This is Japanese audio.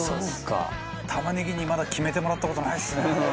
玉ねぎにまだ決めてもらった事ないですね。